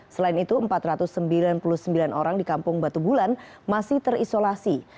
selain itu empat ratus sembilan puluh sembilan orang di kampung batu bulan masih terisolasi